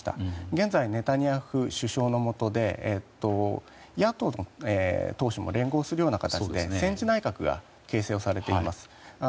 現在、ネタニヤフ首相のもとで野党の党首も連合するような形で戦時内閣が形成されています。